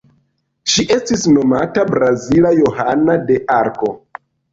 Ŝi estis nomita "Brazila Johana de Arko".